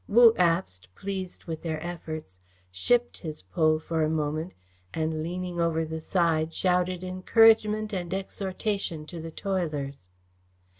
Wu Abst, pleased with their efforts, shipped his pole for a moment, and, leaning over the side, shouted encouragement and exhortation to the toilers.